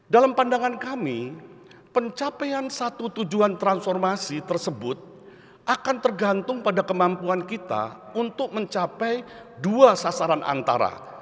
dalam pandangan kami pencapaian satu tujuan transformasi tersebut akan tergantung pada kemampuan kita untuk mencapai dua sasaran antara